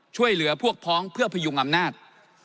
ช่วยเหลือพวกพ้องเพื่อพยุงอำนาจ